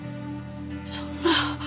そんな。